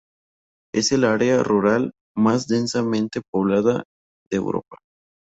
Es el área rural más densamente poblada de Europa.